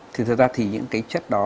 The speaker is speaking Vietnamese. thực ra thì những cái chất đó